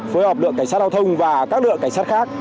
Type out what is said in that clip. phối hợp lượng cảnh sát đào thông và các lượng cảnh sát khác